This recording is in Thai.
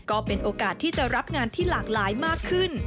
ก็เป็นโอกาสที่จะรับงานที่หลากหลายมากขึ้น